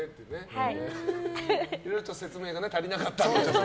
いろいろと説明が足りなかったんですけど。